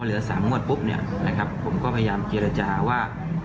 พอเหลือ๓งวดปุ๊บผมก็พยายามเกียรติฐาว่า